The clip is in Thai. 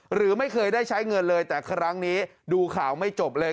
หรือไม่เคยได้ใช้เงินเลยแต่ครั้งนี้ดูข่าวไม่จบเลย